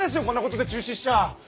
こんなことで中止しちゃ。